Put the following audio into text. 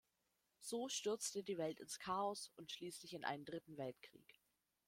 So stürzte die Welt ins Chaos und schließlich in einen Dritten Weltkrieg.